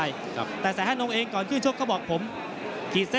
อย่างนี้